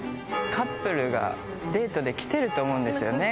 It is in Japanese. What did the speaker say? カップルがデートで来てると思うんですよね。